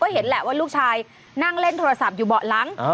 เห็นแหละว่าลูกชายนั่งเล่นโทรศัพท์อยู่เบาะหลัง